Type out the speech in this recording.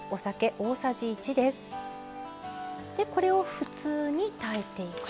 これを普通に炊いていくと。